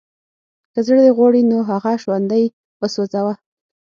که زړه دې غواړي نو هغه ژوندی وسوځوه